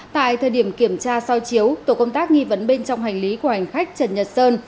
tại thời điểm kiểm tra soi chiếu tổ công tác nghi vấn bên trong hành lý của hành khách trần nhật sơn